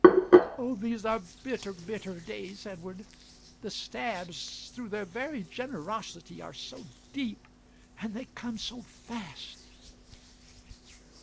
"Oh, these are bitter, bitter days, Edward. The stabs, through their very generosity, are so deep and they come so fast!"